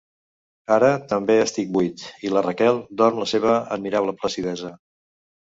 Ara també estic buit i la Raquel dorm la seva admirable placidesa.